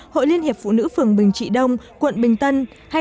hội liên hiệp phụ nữ phường bình trị đông quận bình tân